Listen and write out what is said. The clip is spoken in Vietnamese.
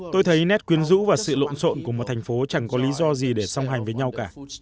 tôi thấy nét quyến rũ và sự lộn xộn của một thành phố chẳng có lý do gì để song hành với nhau cả